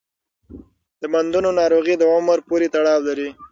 د بندونو ناروغي د عمر پورې تړاو لري.